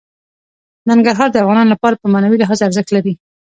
ننګرهار د افغانانو لپاره په معنوي لحاظ ارزښت لري.